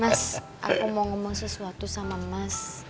mas aku mau ngomong sesuatu sama mas